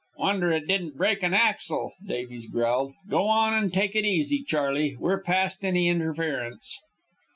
"Wonder it didn't break an axle," Davies growled. "Go on and take it easy, Charley. We're past any interference."